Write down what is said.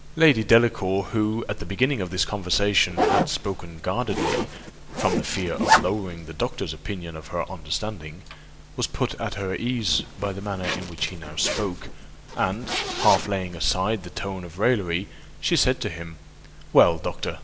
Lady Delacour, who, at the beginning of this conversation, had spoken guardedly, from the fear of lowering the doctor's opinion of her understanding, was put at her ease by the manner in which he now spoke; and, half laying aside the tone of raillery, she said to him, "Well, doctor!